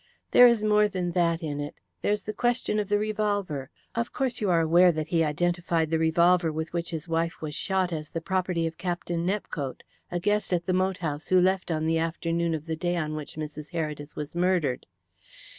"There is more than that in it. There's the question of the revolver. Of course you are aware that he identified the revolver with which his wife was shot as the property of Captain Nepcote, a guest at the moat house who left on the afternoon of the day on which Mrs. Heredith was murdered.